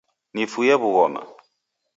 Nifuye wughoma